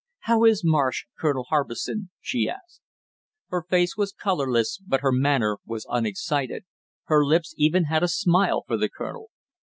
"How is Marsh, Colonel Harbison?" she asked. Her face was colorless but her manner was unexcited; her lips even had a smile for the colonel.